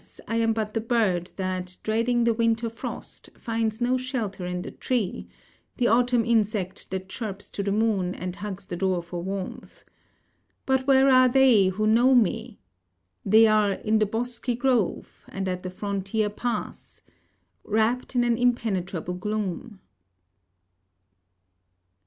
I am but the bird that, dreading the winter frost, finds no shelter in the tree: the autumn insect that chirps to the moon, and hugs the door for warmth. For where are they who know me? They are 'in the bosky grove, and at the frontier pass' wrapped in an impenetrable gloom!"